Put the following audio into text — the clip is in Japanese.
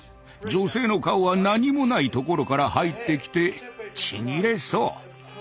女性の顔は何もないところから入ってきてちぎれそう。